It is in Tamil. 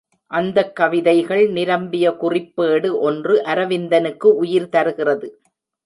அந்தக் கவிதைகள் நிரம்பிய குறிப்பேடு ஒன்று அரவிந்தனுக்கு உயிர் தருகிறது.